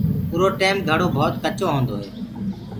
اُرو ٽيم گھڙو ڀوت ڪچو هوندو هي۔